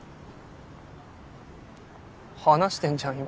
話してんじゃん今。